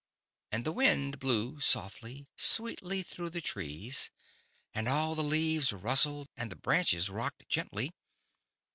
And the Wind blew softly, sweetly through the trees, and all the leaves rustled and the branches rocked gently.